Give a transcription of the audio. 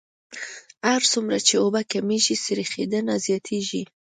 هر څومره چې اوبه کمیږي سریښېدنه زیاتیږي